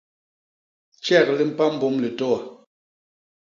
Jek li mpa mbôm litôa.